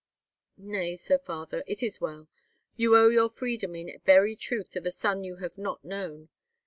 Nay, Sir Father, it is well. You owe your freedom in very truth to the son you have not known.